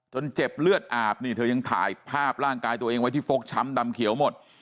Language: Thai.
เจ็บเลือดอาบนี่เธอยังถ่ายภาพร่างกายตัวเองไว้ที่ฟกช้ำดำเขียวหมด